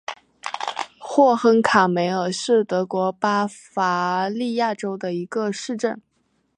霍亨卡梅尔是德国巴伐利亚州的一个市镇。